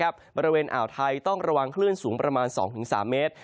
บริเวณอ่าวไทยต้องระวังคลื่นสูงประมาณ๒๓เมตร